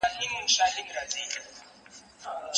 د تازه هوا مصرف یې ورښکاره کړ